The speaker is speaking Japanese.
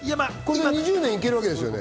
２０年いけるわけですよね。